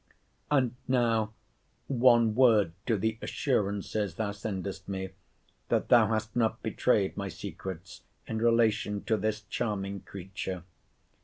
And now, one word to the assurances thou sendest me, that thou hast not betrayed my secrets in relation to this charming creature.